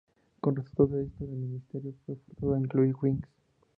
Como resultado de esto, el ministerio fue forzado a incluir whigs.